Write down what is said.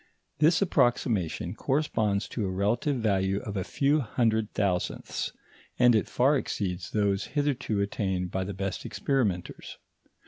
This approximation corresponds to a relative value of a few hundred thousandths, and it far exceeds those hitherto attained by the best experimenters.